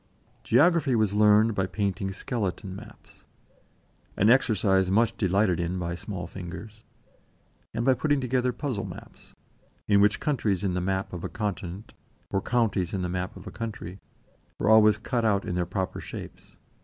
Geography was learned by painting skeleton maps an exercise much delighted in by small fingers and by putting together puzzle maps, in which countries in the map of a continent, or counties in the map of a country, were always cut out in their proper shapes.